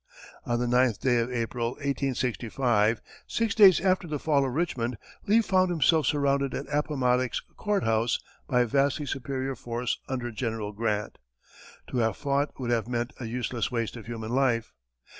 On the ninth day of April, 1865, six days after the fall of Richmond, Lee found himself surrounded at Appomattox Courthouse by a vastly superior force under General Grant. To have fought would have meant a useless waste of human life.